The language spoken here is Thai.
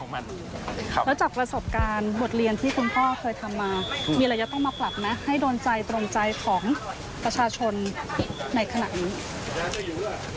มีอะไรจะต้องมาปรับนะให้โดนใจตรงใจของประชาชนในขณะนี้